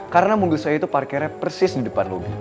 karena mobil saya itu parkirnya persis di depan lobi